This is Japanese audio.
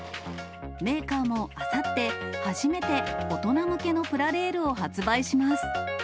メーカーもあさって初めて大人向けのプラレールを発売します。